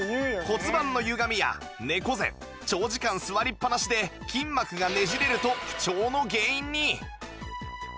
骨盤のゆがみや猫背長時間座りっぱなしで筋膜がねじれると不調の原因に